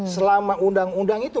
selama undang undang itu